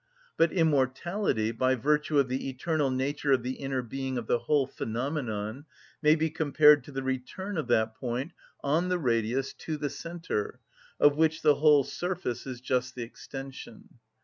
But immortality, by virtue of the eternal nature of the inner being of the whole phenomenon, may be compared to the return of that point, on the radius, to the centre, of which the whole surface is just the extension.